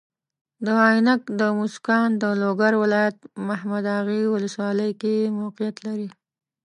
د عینک د مسو کان د لوګر ولایت محمداغې والسوالۍ کې موقیعت لري.